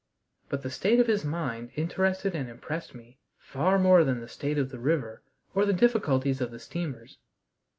But the state of his mind interested and impressed me far more than the state of the river or the difficulties of the steamers.